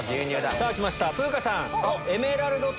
さぁきました風花さん。